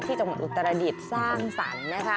จังหวัดอุตรดิษฐ์สร้างสรรค์นะคะ